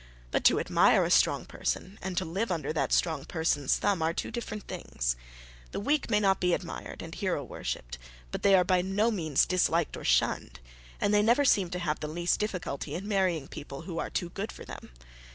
But to admire a strong person and to live under that strong person's thumb are two different things. The weak may not be admired and hero worshipped; but they are by no means disliked or shunned; and they never seem to have the least difficulty in marrying people who are too good for them.